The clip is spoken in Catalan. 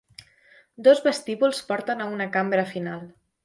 Dos vestíbuls porten a una cambra final.